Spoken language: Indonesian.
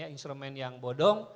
instrumen yang bodong